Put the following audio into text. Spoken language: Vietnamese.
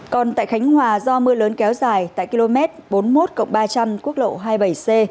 còn tại khánh hòa do mưa lớn kéo dài tại km bốn mươi một ba trăm linh quốc lộ hai mươi bảy c